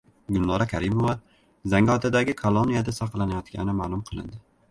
Gulnora Karimova Zangiotadagi koloniyada saqlanayotgani ma’lum qilindi